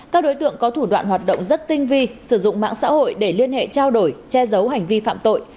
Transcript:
các đối tượng có thủ đoạn hoạt động rất tinh vi sử dụng mạng xã hội để liên hệ trao đổi che giấu hành vi phạm tội